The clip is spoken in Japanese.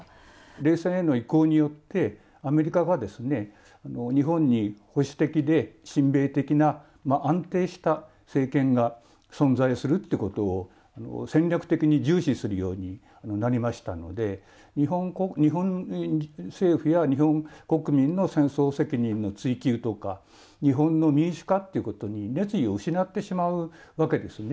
冷戦への移行によってアメリカが日本に保守的で親米的な安定した政権が存在するってことを戦略的に重視するようになりましたので日本政府や日本国民の戦争責任の追及とか日本の民主化ってことに熱意を失ってしまうわけですね。